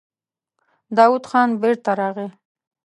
داوود خان بېرته راغی.